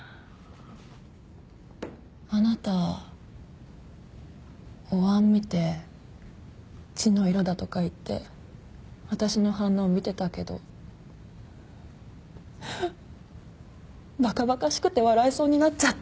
あなたおわん見て血の色だとか言って私の反応見てたけどバカバカしくて笑いそうになっちゃった。